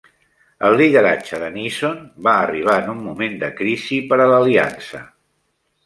El lideratge de Neeson va arribar en un moment de crisi per a l'Aliança.